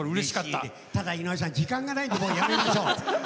ただ井上さん時間がないんでもうやめましょう。